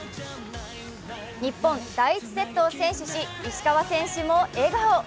日本、第１セットを先取し石川選手も笑顔。